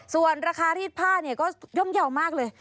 ส่วนราคารีดผ้าก็ย่อมเยาะมากเลย